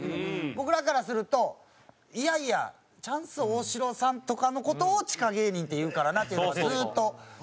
僕らからするといやいやチャンス大城さんとかの事を地下芸人っていうからなっていうのはずっとその。